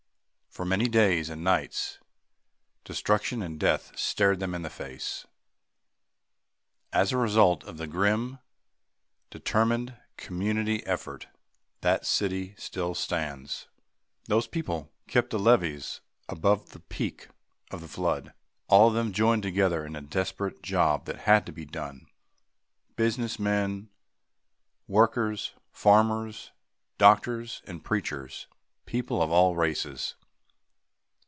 For many days and nights, destruction and death stared them in the face. As a result of the grim, determined community effort, that city still stands. Those people kept the levees above the peak of the flood. All of them joined together in the desperate job that had to be done business men, workers, farmers, and doctors, and preachers people of all races.